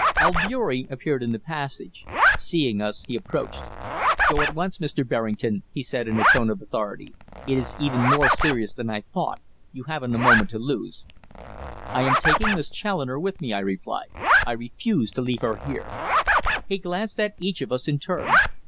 Albeury appeared in the passage. Seeing us, he approached. "Go at once, Mr. Berrington," he said in a tone of authority. "It is even more serious than I thought. You haven't a moment to lose." "I am taking Miss Challoner with me," I replied. "I refuse to leave her here." He glanced at each of us in turn.